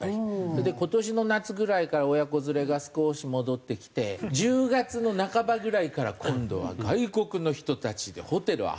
それで今年の夏ぐらいから親子連れが少し戻ってきて１０月の半ばぐらいから今度は外国の人たちでホテルあふれ返って。